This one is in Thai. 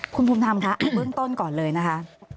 คุณภูมิธรรมค่ะเอาเบื้องต้นก่อนเลยนะคะ